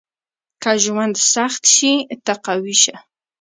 • که ژوند سخت شي، ته قوي شه.